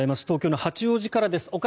東京の八王子からです。